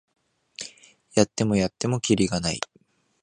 やってもやってもキリがない